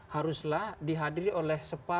haruslah dihadiri oleh